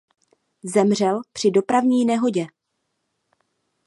Zemřel při dopravní nehodě.